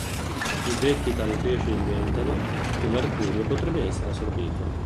Più vecchi tali pesci diventano, più mercurio potrebbe essere assorbito.